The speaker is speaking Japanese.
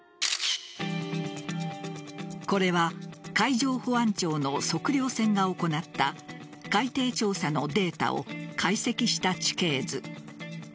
これは海上保安庁の測量船が行った海底調査のデータを解析した地形図。